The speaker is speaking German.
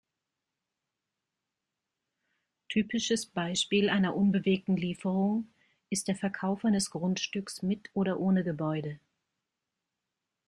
Typisches Beispiel einer „unbewegten Lieferung“ ist der Verkauf eines Grundstücks mit oder ohne Gebäude.